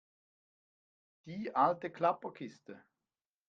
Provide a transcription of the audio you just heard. Die alte Klapperkiste?